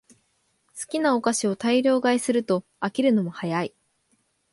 好きなお菓子を大量買いすると飽きるのも早い